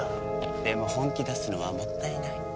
でも本気出すのはもったいない。